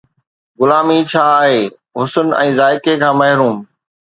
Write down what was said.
غلامي ڇا آهي؟ حسن ۽ ذائقي کان محروم